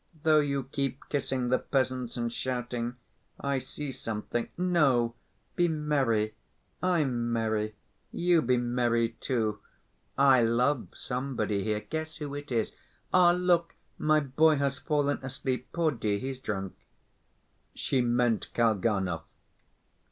"Though you keep kissing the peasants and shouting, I see something. No, be merry. I'm merry; you be merry, too.... I love somebody here. Guess who it is. Ah, look, my boy has fallen asleep, poor dear, he's drunk." She meant Kalganov.